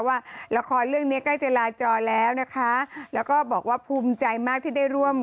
ว่าละครเรื่องเนี้ยใกล้จะลาจอแล้วนะคะแล้วก็บอกว่าภูมิใจมากที่ได้ร่วม